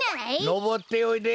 のぼっておいで。